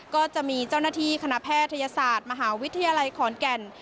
ก็จะมีเจ้าหน้าที่คณะแพทยศาสตร์มหาวิทยาลัยขอนแก่น